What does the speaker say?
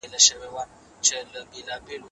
ما په خوب کي یې لیدلې چي دي هار دانه دانه وي